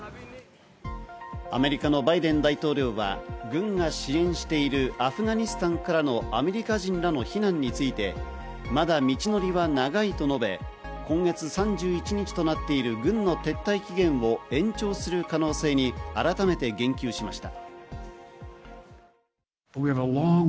アメリカのバイデン大統領は軍が支援しているアフガニスタンからのアメリカ人らの避難について、まだ道のりは長いと述べ、今月３１日となっている軍の撤退期限を延長する可能性に改めて言及しました。